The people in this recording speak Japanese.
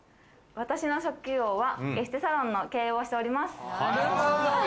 私の職業は、エステサロンの経営をしております。